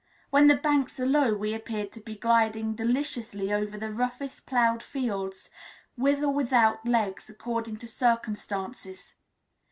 When the banks are low, we appear to be gliding deliciously over the roughest ploughed fields, with or without legs according to circumstances.